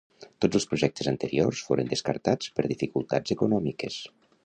Tots els projectes anteriors foren descartats per dificultats econòmiques.